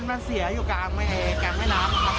มันเสียอยู่กลางแม่น้ำครับ